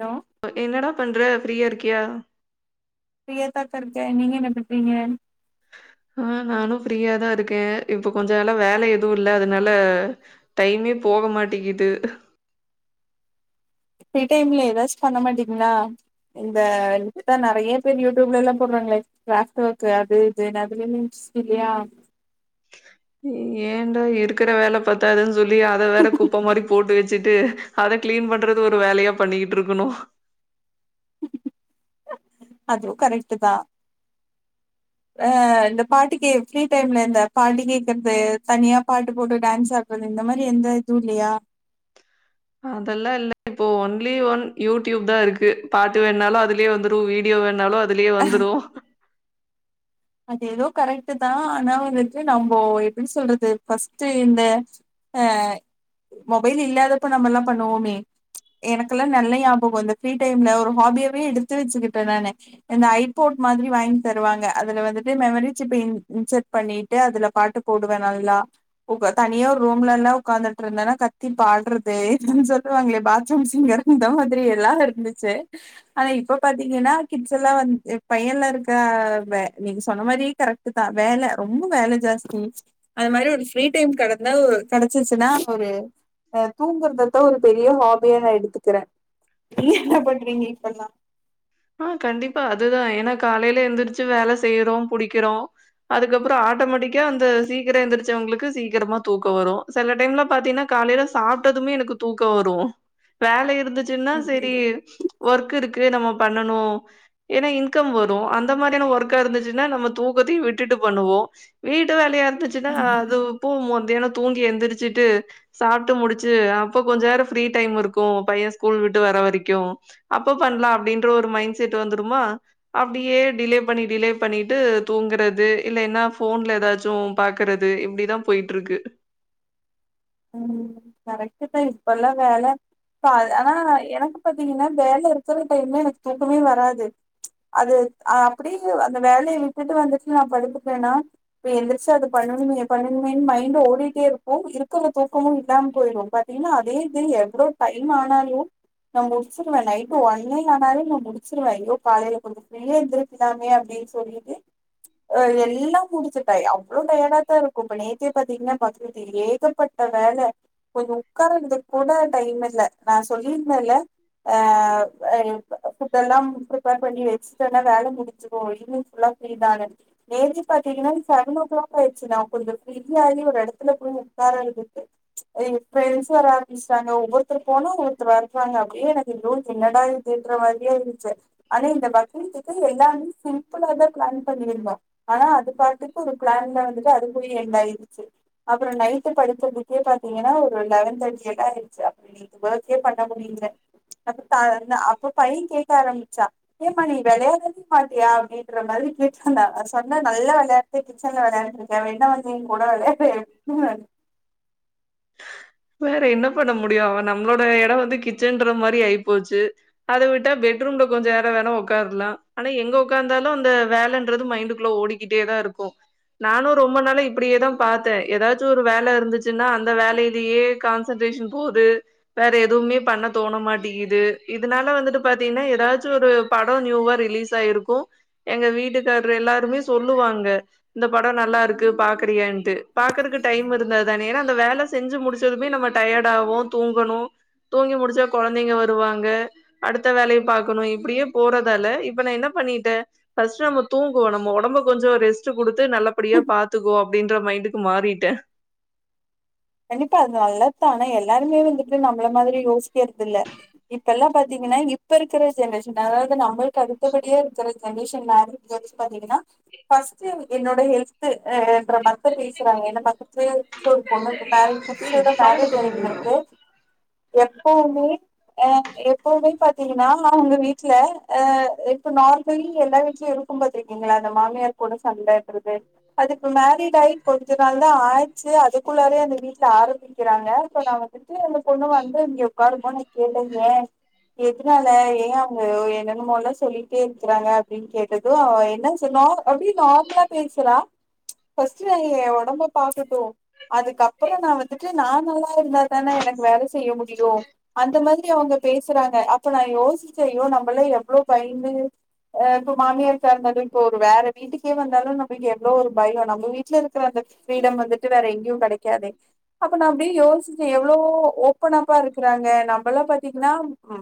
hello என்னடா பண்ற ஃப்ரீயா இருக்கியா ஃபிரியாதாக்கா இருக்க நீங்க என்ன பண்றீங்க ஆ நானு ஃப்ரீயா தா இருக்கே இப்ப கொஞ்ச நால வேல எதுவு இல்ல அதனால டைமே போக மாட்டேங்கிது ஃப்ரீ டைம்ல ஏதாச்சு பண்ண மாட்டீங்ன்னா இந்த இதா நறைய யூடியூப்லல்லா போடுறாங்ளே கிராப்ட் ஒர்க் அது இது அதுலந்து இல்லயா ஏன்டா இருக்கற வேல பத்தாதுன்னு சொல்லி அத வேற குப்ப மாரி போட்டு வச்சுட்டு அத கிளீன் பண்றது ஒரு வேலயா பண்ணிட்ருக்கணு அதுவு கரெட்டு தா ஆ இந்த பாட்டுக்கே ஃப்ரீ டைம்ல இந்த பாட்டு கேக்றது தனியா பாட்டு போட்டு டான்ஸ்ஸா கொஞ்ச இந்த மாரி எந்த இதுவுல்லயா அதல்லா இல்ல இப்போ ஒன்லி ஒன் யூடியூப் தா இருக்கு பாட்டு வேணுணாலு அதுலே வந்துரு வீடியோ வேணுணாலு அத் துலயே வந்துரு அது ஏதோ கரெட்டு தா ஆனா வந்துட்டு நம்ம எப்டி சொல்றது பஸ்ட் இந்த ஆ மொபைல் இல்லாதப்ப நம்மல்லா பண்ணுவோமே எனக்கல்லா நல்லா ஞாபக அந்த ஃப்ரீ டைம்ல ஒரு ஹாபியாவே எடுத்து வச்சிகிக்டே நானு இந்த ஐபோர்ட் மாதிரி வாங்கி தருவாங்க அதுல வந்துட்டு மெமரி சிப்ப இன்செர்ட் பண்ணிட்டு அதுல பாட்டு போடுவே நல்லா தனியா ஒரு ரூம்லல்லா உக்காந்துட்டுருந்தனா கத்தி பாட்றது அதா சொல்லுவாங்களே பாத்ரூம் சிங்கர் இந்த மாதிரி எல்லா இருந்துச்சு ஆனா இப்ப பாத்தீங்கன்னா கிட்ச்சல்லா வந்து எ பையன்லா இருக்கவ நீங்க சொன்ன மாரி கரெக்ட்டுதா வேல ரொம்ப வேல ஜாஸ்தி அது மாரி ஒரு ஃப்ரீ டைம் கெடந்தா ஒ கெடச்சிச்சுன்னா ஒரு ஆ தூங்கறதத்தா ஒரு பெரிய ஹாபியா நா எடுத்துக்கற நீங்க என்ன பண்றீங்க இப்பல்லா அ கண்டிப்பா அதுதா ஏன்னா காலலேல எந்திரிச்சு வேல செய்யறோ புடிக்கறோ அதுக்கப்ற ஆட்டோமெட்டிக்கா அந்த சீக்கிர எந்திரிச்சவங்களுக்கு சீக்கிரமா தூக்க வரு சில டைம்ல பாத்தீன்னா காலேல சாப்ட்டதுமே எனக்கு தூக்கோ வரு வேல இருந்துச் ச்சின்னா சரி ஐயையோ ஒர்க் இருக்கு நம்ம பண்ணணு ஏனா இன்கம் வரோ அந்த மாரியான ஒர்க்கா இருந்துச்சுன்னா நம்ம தூக்கத்த விட்டுட்டு பண்ணுவோ வீட்டு வேலையா இருந்துச்சுன்னா அது போகும் மத்தியானோ தூங்கி எந்திரிச்சுட்டு சாப்ட்டு முடிச்சு அப்போ கொஞ்ச நேரோ ஃப்ரீ டைமு இருக்கு பைய ஸ்கூல் விட்டு வர வரைக்கு அப்ப பண்ணலா அப்டீன்ற ஒரு மைண்ட் செட் வந்துடுமா அப்டியே டிலே பண்ணி டிலே பண்ணிட்டு தூங்குறது இல்லைன்னா ஃபோன்ல ஏதாச்சு பாக்குறது இப்டிதா போயிட்ருக்கு ம் கரெக்ட்டு தா இப்பல்லா வேல பா ஆனா எனக்கு பாத்தீங்கன்னா வேல இருக்குற டைம்ல எனக்கு தூக்கமே வராது அது அப்புடி அந்த வேலய விட்டுட்டு வந்துட்டு நா படுத்துட்டேன்னா இப்ப எந்திரிச்சு அது பண்ணணுமே பண்ணுமேன்னு மைண்ட் ஓடிட்டே இருக்கோ இருக் குற தூக்கமு இல்லாம போயிடோ பாத்தீங்கன்னா அதே இது எவ்ளோ டைம் ஆனாலு நா முடிச்சிருவே நைட்டு ஒண்ணே ஆனாலே நா முடிச்சிருவே ஐயோ காலையில கொஞ் வேலே எந்திரிக்கலாமே அப்டீனு சொல்லிட்டு அ எல்லா முடித்துட்டாய் அவ்ளோ டயடாத்தா இருக்கு இப்ப நேத்த பாத்தீங்கன்னா பாத்தோ தெரியோ ஏக ப்பட்ட வேல கொஞ்சோ ஒக்காறதுக்கு கூட டைம் இல்ல நா சொல்லியிருந்தல அ ஏ [unintelligible] ஃபுட் எல்லா ப்ரிப்பேர் பண்ணி வெச்சுட்டுனா வேல முடிச்சுரு ஈவினிங் ஃபுல்லா ஃப்ரீ தான நேத்து பாத்தீங்கன்னா செவன் ஓ கிளாக் ஆயிடுச்சு நா கொஞ்சோ பி சி ஆகி ஒரு எடத்துல போய் ஒக் காரறத்துக்கு இப்ப எழுந்சாதாடி சாய்ங்காளோ ஒவ்வோருத்தரு போனோ ஒவ்வோருத்தரு வருவாங்க அப்டியே எனக்கு எதோ இருக்கு என்னடா இது என்றமாரியே இர்ந்துச்சு அண்ணே இந்த பக்கரீத்துக்கு எல்லாருமே சிம்ப்ளா தா ப்ளான் பண்ணிருந்தோ ஆனா அது பாட்டுக்கு ஒரு ப்ளான்ல வந்துட்டு அது போய் எண்டாயிருச்சு அப்றோ நைட் படித்துபட்டே பாத்தீங்கன்னா ஒரு லெவன் தேர்ட்டி எல்லா ஆயிச்சு அப்டி இது ஒர்கே பண்ண முடியல அப்பப்ப அப்ப பைய கேக்க ஆரம்பிச்சா ஏமா நீ வெளையாடவே மாட்டியா அப்டீன்ற மாரி கேட்டா நா சொன்ன நல்லா வெளையாட போய் கிச்சன்ல வெளாண்டுட்டு இருக்கே வேன்னா வந்து ஏ கூட வந்து வெளையாடு ம் வேற என்ன பண்ண முடியு அவ நம்மளோட இட வந்து கிச்சன்ற மாரி ஆயிப்போச்சு அத விட்டா பெட்ரூம்ல கொஞ்ச நேரோ வேணா ஒக்காரலா ஆனா எங்க ஒக்காந்தாலு அந்த வேலன்றது மைண்டுக்குள்ள ஓடிக் கிட்டே தாருக்கு நானு ரொம்ப நாளா இப்பிடியே தா பாத்தே ஏதாச்சு ஒரு வேலருந்துச்சுன்னா அந் அந்த வேலையிலேயே கான்சன்ட்ரேஷன் போது வேற எதுவுமே பண்ண தோண மாட்டேங்கிது இதனால வந்துட்டு பாத்தீங்கன்னா ஏதாச்சு ஒரு படோ நியூவா ரிலீஸ் ஆயிருக்கோ எங்க வீட்டுக்காரர் எல்லாருமே சொல்லுவாங்க இந்த படோ நல்லா இருக்கு பாக்குறீயான்ட்டு பாக்கறக்கு டைம் இருந்தா தான ஏனா இந்த வேல செஞ்சு முடிச்சதுமே நம்ம டயடாவோ தூங்கணோ தூங்கி முடிச்சா கொழந்தைங்க வருவாங்க அடுத்த வேலைய பாக்கணோ இப்டியே போறதால இப்ப நா என்ன பண்ணிட்டே ஃபஸ்ட்டு நம்ம தூங்குவோ நம்ம ஒடம்ப கொஞ்சோ ரெஸ்ட் டு குடுத்து நல்லபடியா பாத்துக்கோ அப்டீன்ற மைண்டுக்கு மாறிட்டே கண்டிப்பா அது நல்லத்தான எல்லாருமே வந்துட்டு நம்மள மாதிரி யோசிக்கறதில்ல இப்ப எல்லா பாத்தீங்கன்னா இப்ப இருக்குற ஜென்ரேஷன் அதாவது நம்மளுக்கு அடுத்தபடியா இருக்கிற ஜென்ரேஷன் நாளு இங்க வெச்சு பாத்தீங்கன்னா ஃபர்ஸ்ட்டு என்னோட ஹெல்த்து என்ற மத்த பேசுறாங்க என் பாக்க செரி புதுசா ஒரு பொண்ணு [unintelligible] எப்போவுமே அ எப்பவுமே பாத்தீங்கன்னா அவுங்க வீட்ல அ இப்ப நார்மலி எல்லா வீட்லயு இரு இப்போ பாத்திருக்கீங்களா அந்த மாமியார் கூட சண்ட இடுறது அதுக்கு மேரிட்டாயி கொஞ்ச நாள் தான் ஆச்சு அதுக்குள்ளாரே அந்த வீட்ல ஆரம்பிக்கிறாங்க இப்ப நான் வந்துட்டு அந்த பொண்ணு வந்து இங்க உட்காருப்போ கேட்டேங்க எதுனால ஏன் அவங்க என்னென்னமோ எல்லாம் சொல்லிட்டே இருக்கிறாங்க அப்டின்னு கேட்டது ப்ரோ அவ என்ன சொன்னாலும் அப்டியே நார்மலா பேசுறா ஃபஸ்ட்டு ஏ உடம்ப பாக்கட்டு அதுக்கப்புற நா வந்து நா நல்லா இருந்தாதானே எனக்கு வேலை செய்ய முடியு அந்த மாரி அவங்க பேசுறாங்க இப்ப நான் யோசிச்சே ஐயோ நம்பல்லாம் எவ்ளோ பயந்து இப்போ மாமியார்ட இருந்தாலு இப்போ ஒரு வேற வீட்டுக்கே வந்தாலு நமக்கு எவ்ளோ ஒரு பயோ நம்ம வீட்டு ல இருக்குற அந்த ஃப்ரீடம் வந்துட்டு வேற எங்கேயு கெடைக்காதே அப்ப நான் அப்டியே யோசிச்சேன் எவ்ளோ ஓபன் அப் பா இருக்கறாங்க நம்ம எல்லாம் பாத்தீங்கன்னா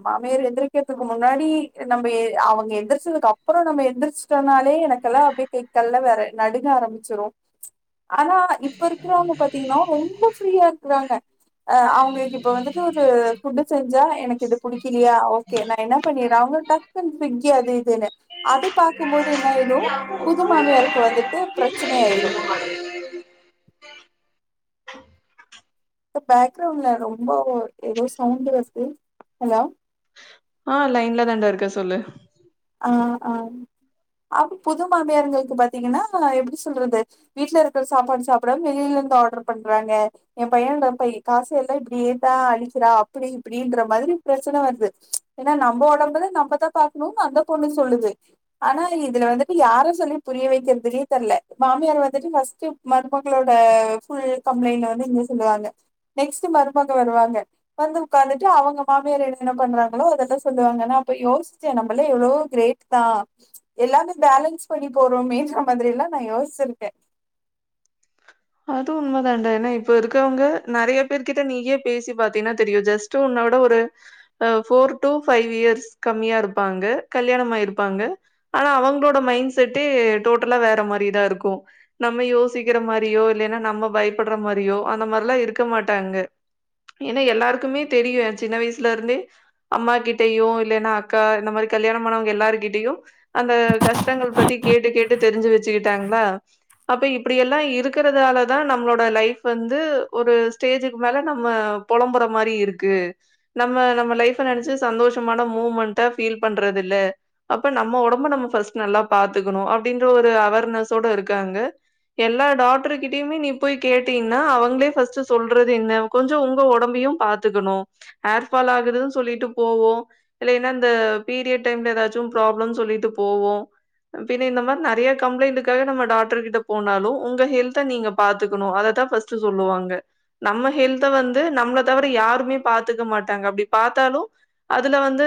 மாமியார் எந்திரிக்கிறதுக்கு முன்னாடி நம்ம அவங்க எந்திரச்சதுக்கு அப்றம் நம்ம ஏந்திரிச் சொன்னாலே எனக்கெல்லா அப்டி கை கால்லா வேற நடுங்க ஆரம்பிச்சிரு ஆனா இப்ப இருக்குறவங்க பாத்தீங்கனா ரொம்ப ஃப்ரீயா இருக்கறாங்க அ அவங்களுக்கு இப்ப வந்துட்டு ஒரு ஃபுட்டு செஞ்சா எனக்கு இது புடிக்கலையா ஓகே நா என்ன பண்ணிர்றே அவங்க டக்குன்னு ஃபிக் அது இதுனு அது பாக்குபோது என்னாயிரு புது மாமியாருக்கு வந்துட்டு பிரச்சனயாயிரு பேக் கிரவுண்ட்ல ரொம்ப ஓ ஏதோ சவுண்ட் வருது ஹலோ ஆ லைன்ல தாண்டா இருக்கேன் சொல்லு ஆ ஆ அப்டி புது மாமியார்ங்களுக்கு பாத்தீங்கன்னா எப்டி சொல்றது வீட்ல இருக்கிற சாப்பாடு சாப்டாம வெளிலருந்து ஆர்டர் பண்றாங்க என் பைய காச எல்லா இப்டியேதா அழிக்கிறா அப்டி இப்டின்ற மாரி பிரச்சனை வருது ஏன்னா நம்ப உடம்பத நம்மதான் பாக்கணும்னு அந்த பொண்ணு சொல்லுது ஆனா இதுல வந்துட்டு யார சொல்லி புரிய வைக்கிறதுனே தெர்ல மாமியார வந்துட்டு ஃப்ர்ஸ்ட் மருமகளோட ஃபுல் கம்ப்ளைண்ட்ல வந்து இங்க சொல்லுவாங்க நெக்ஸ்ட் மருமக வருவாங்க வந்து உக்காந்துட்டு அவங்க மாமியார் என்ன என்ன பண்றாங்களோ அதெல்லாம் சொல்லுவாங்க அப்ப நா யோசிச்சே நம்மள எவ்ளோ கிரேட் தான் எல்லாமே பேலன்ஸ் பண்ணி போறோமேன்ற மாதிரி எல்லாம் நான் யோசிச்சிருக்கேன் அது உண்மை தான்டா ஏனா இப்ப இருக்கவங்க நெறைய பேர் கிட்ட நீயே பேசி பாத்தீனா தெரியு ஜஸ்ட் டு உன்னோட ஒரு அ ஃபோர் டூ ஃபைவ் இயர்ஸ் கம்மியா இருப்பாங்க கல்யாணம் ஆயிருப்பாங்க ஆனா அவங்களோட மைண்ட் செட்டு டோட்டலா வேற மாரிதான் இருக்கும் நம்ம யோசிக்கிற மாரி யோ இல்லைன்னா நம்ம பயப்படுற மாரியோ அந்த மாரில்லாம் இருக்க மாட்டாங்க ஏன்னா எல்லாருக்குமே தெரியும் என் சின்ன வயசுலருந்தே அம்மா கிட்டயு இல்லைனா அக்கா இந்த மாரி கல்யாணமாணவங்க எல்லார்கிட்டயு அந்த கஷ்டங்கள் பத்தி கேட்டு கேட்டு தெரிஞ்சு வச்சுக்கிட்டாங்களா அப்ப இப்டியெல்லாம் இருக்கு இருக்குறதுனால தா நம்மளோட லைஃப் வந்து ஒரு ஸ்டேஜுக்கு மேல நம்ம பொலம்புற மாரி இருக்கு நம்ம நம்ம லைஃப் நெனைச்சு சந்தோஷமான மூமெண்ட ஃபீல் பண்றது இல்ல அப்ப நம்ம உடம்ப நம்ம ஃபர்ஸ்ட் நல்லா பார்த்துக்கணும் அப்டின்ற ஒரு அவேர்னஸோட இருக்காங்க எல்லா டாட் க்டருகிட்டயுமே நீ போய் கேட்டீன்னா அவங்களே ஃப்ஸ்ட்டு சொல்றது என்ன கொஞ்சம் உங்க உடம்பையும் பாத்துக்கணு ஹேர் பால் ஆகுதுன்னு சொல்லிட்டு போவோம் இல்லனா இந்த பீரியட் டைம்ல ஏதாச்சு ப்ராப்ளம்னு சொல்லிட்டு போவோ பின்ன இந்த மாரி நெறைய கம்ப்ளைண்ட்டுகாக நம்ம டாக்டர் கிட்ட போனாலு உங்க ஹெல்த் த நீங்க பாத்துக்கணு அத தா ஃப்ஸ்ட் சொல்லுவாங்க நம்ம ஹெல்த்த வந்து நம்மள தவிர யாருமே பாத்துக்க மாட்டாங்க அப்டி பாத்தாலு அதுல வந்து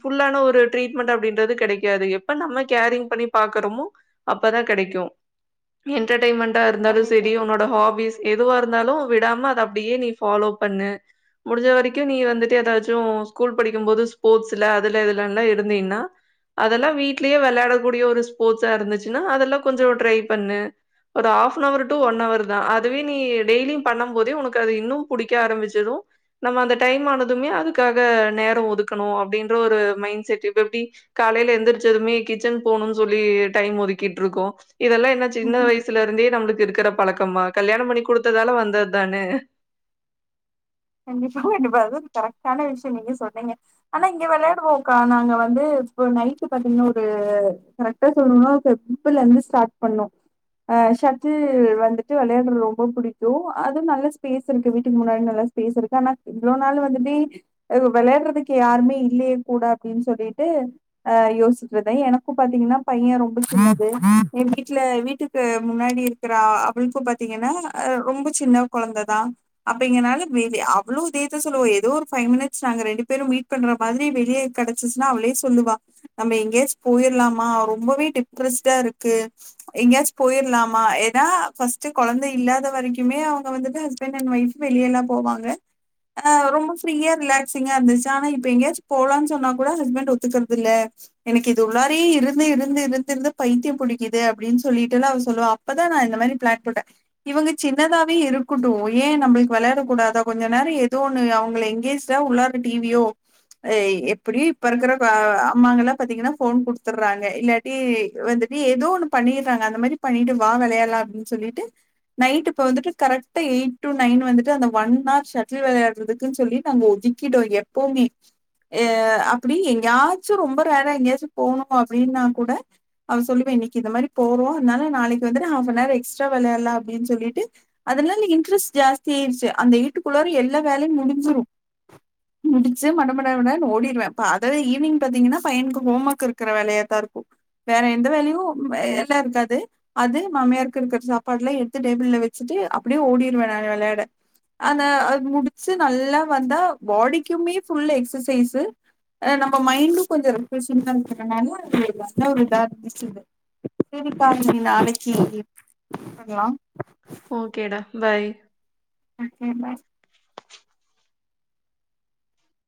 ஃபுல்லான ஒரு ட்ரீட்மெண்ட் அப்டின்றது கெடைக்காது எப்ப நம்ம கேரிங் பண்ணி பாக்கறமோ அப்பதா கெடைக்கு என்டர்டைன்மெண்டா இருந்தாலு கண்டிப்பா சரி உன்னோட ஹாபிஸ் எதுவா இருந்தாலு விடாம அத அப்டியே நீ ஃபாலோ பண்ணு முடுஞ்ச வரைக்கு நீ வந்துட்டு ஏதாச்சு ஸ்கூல் படிக்கு போது ஸ்போர்ட்ஸ்ல அதுல இதுலல்னா இருந்தீன்னா அதெல்லா வீட்லயே வெளாடக்கூடிய ஒரு ஸ்போர்ட்ஸா இருந்துச்சுன்னா அதெல்லா கொஞ்சோ ட்ரை பண்ணு ஒரு half an hour to one hour தா அதுவே நீ டெய்லியு பண்ணும் போதே உனக்கு அது இன்னு புடிக்க ஆரம்பிச்சுரு நம்ம அந்த டைம் ஆனதுமே அதுக்காக நேரோ ஒதுக்கணு அப்டின்ற ஒரு மைண்ட் செட் இப்ப எப்டி காலைல எந்திரச்சதுமே கிச்சன் போணுன் சொல்லி டைம் ஒதுக்கிட்டருக்கோ இதெல்லா என்னது சின்ன வயசுலருந்தே நம்ளுக்கு இருக்கிற பழக்கமா கல்யாண பண்ணி குடுத்ததால வந்தது தான கண்டிப்பா கண்டிப்பா அதுவு கரக்ட்டான விஷயோ நீங்க சொன்னீங்க ஆனா இங்க விளையாடுவோக்கா நாங்க வந்து இப்ப நைட் பாத்தீங்னா ஒரு கரக்ட்டா சொல்னுனா ஃபெப்ல இருந்து ஸ்டார்ட் பண்ணோ ஆ ஷட்டில் வந்துட்டு விளையாட்றது ரொம்ப பிடிக்கு அது நல்ல ஸ்பேஸ் இருக்கு வீட்டு முன்னாடி நல்ல பேஸ் இருக்கு ஆனா இவ்ளோ நாள் வந்ததே அவுக விளையாட்றதுக்கு யாருமே இல்லையே கூட அப்டின் சொல்லிட்டு அ யோசிட்ருந்தே எனக்கு பாத்தீங்னா பைய ரொம்ப சின்னது எ வீட்ல வீட்டுக்கு முன்னாடி இரு க்றா அவுளுக்கு பாத்தீங்கன்னா அ ரொம்ப சின்ன கொழந்த தா அப்டிங்கனால மேபி அவளு இதேதா சொல்லுவா ஏதோ ஒரு ஃபைவ் மினிட்ஸ் நாங்க ரெண்டு பேரும் மீட் பண்ற மாதிரி வெளியே கிடைச்சிச்சுனா அவளே சொல்லுவா நம்ம எங்கேயாச்சு போயிர்லாமா ரொம்பவே டிப்ரஸ்டா இருக்கு எங்கேயாச்சு போயிர்லாமா ஏன்னா ஃபர்ஸ்ட்டு கொழந்தை இல்லாத வரைக்குமே அவுங்க வந்துட்டு ஹஸ்பண்ட் அண்ட்டு ஒய்ஃப் வெளியல்லா போவாங்க ஆ ரொம்ப ஃப்ரீயா ரிலாக்சிங்கா இருந்துச்சு ஆனா இப்ப எங்கயாச்சு போலான் சொன்னா கூட ஹஸ்பண்ட் ஒத்துக்கறதில்ல எனக்கு இது உள்ளாரயே இருந்து இருந்து இருந்து இருந்து பைத்திய புடிக்குது அப்டின் சொல்லிட்டெல்லா அவ சொல்லுவா அப்பதா நா இந்த மாதிரி பிளான் போட்டே இவுங்க சின்னதாவே இருக்கட்டு ஏ நம்ளுக்கு வெளாட கூடாதா கொஞ்ச நேரோ ஏதோ ஒன்னு அவுங்கள எங்கேஜ்டா உள்ளார டீ வி யோ எ எப்டியு இப்ப இருக்ற கொ அம்மாங்க எல்லா பாத்தீங்கன்னா ஃபோன் குடுத்தர்றாங்க இல்லா டியே வந்துட்டு ஏதோ ஒண்ணு பண்ணிர்றாங்க அந்த மாரி பண்ணிட்டு வா வெளையால்லா அப்டின் சொல்லிட்டு நைட்டு இப்ப வந்துட்டு கரெக்டா எயிட் டு நைன் வந்து ட்டு அந்த ஒன் ஆர் ஷட்டுல் விளையாட்றதுக்குன் சொல்லி நாங்க ஒதுக்கிட்டோ எப்போமே எ அப்டி எங்கயாச்சு ரொம்ப ரேரா எங்யாச்சு போணு அப்டினா கூட அவ சொல்லுவா இன்னைக்கு இந்த மாரி போறோ அதனால நாளைக்கு வந்துட்டு ஹாஃப் அன் ஆர் எக்ஸ்ட்ரா வெளையால்லா அப்டின் சொல்லிட்டு அதனால இன்ட்ரெஸ்ட் ஜாஸ்தியாயிருச்சு அந்த வீட்டுக்குள்ளார எல்லா வேலையு முடிஞ்சிரு முடிச்சு மடமட மடன ஓடிருவே பாத ஈவினிங் பாத்தீங்னா பையனுக்கு ஹோம் ஒர்க் இருக்கற வேலையா தா இருக்கு வேற எந்த வேலையு எல்லா இருக்காது அது மாமியாருக்கு இருக்கற சாப்பாட்லா எடுத்து டேபிள்ல வச்சுட்டு அப்டியே ஓடிருவே நா வெளா யாட ஆனா அது முடுச்சு நல்லா வந்தா பாடிக்குமே ஃபுல்லு எக்ஸ்ஸசைசு ஆ நம்ம மைண்டு கொஞ்சோ ரிஃப்ரெஷிங் [unintelligible] நல்லாருந்தது நல்ல ஒரு இதா இருந்துச்சு இது சேரிக்கா நீங்க நாளைக்கு [inaudible] பண்லாம் ஓக்கேடா பாய் ஓகே பாய்